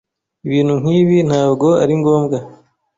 Ibintu nkibi ntabwo ari ngombwa.